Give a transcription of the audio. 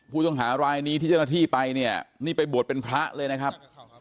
ปูชมหารายนี้ที่เจ้าหน้าที่ไปนี่ไปบวชเป็นพระเลยนะครับ